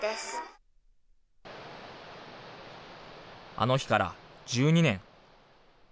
あの日から１２年。